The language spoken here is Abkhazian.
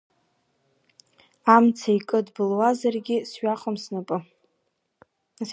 Амца икы дбылуазаргь сҩахом снапы.